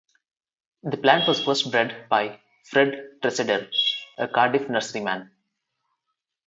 The plant was first bred by Fred Treseder, a Cardiff nurseryman.